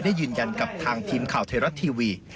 ยืนยันกับทางทีมข่าวไทยรัฐทีวี